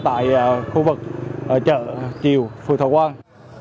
tại khu vực chợ chiều phù thổ quang